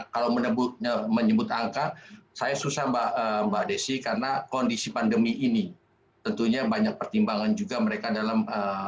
kalau menyebut angka saya susah mbak desi karena kondisi pandemi ini tentunya banyak pertimbangan juga mereka dalam